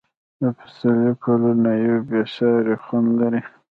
د پسرلي ګلونه یو بې ساری خوند لري.